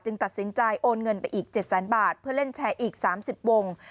ตัดสินใจโอนเงินไปอีก๗แสนบาทเพื่อเล่นแชร์อีก๓๐วง